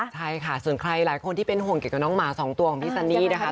ใช่ค่ะส่วนใครหลายคนที่เป็นห่วงเกี่ยวกับน้องหมาสองตัวของพี่ซันนี่นะคะ